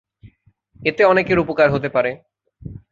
এতে অনেকের উপকার হতে পারে।